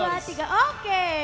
satu dua tiga oke